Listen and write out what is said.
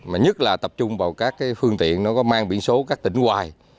mà nhất là tập trung vào các phương tiện nó có mang biển số các tỉnh hoài